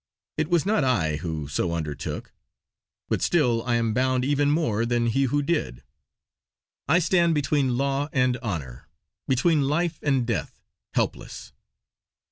It was not I who so undertook; but still I am bound even more than he who did. I stand between law and honour, between life and death, helpless.